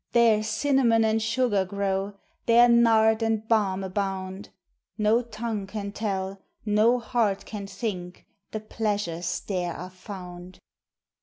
There cinnamon and sugar grow, There nard and balm abound; No tongue can tell, no heart can think, The pleasures there are found.